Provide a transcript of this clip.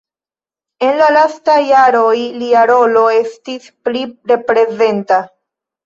En la lastaj jaroj lia rolo estis pli reprezenta.